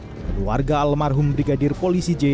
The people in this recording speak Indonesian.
keluarga almarhum brigadir polisi j